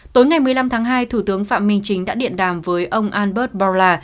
tối ngày một mươi năm tháng hai thủ tướng phạm minh chính đã điện đàm với ông albert bola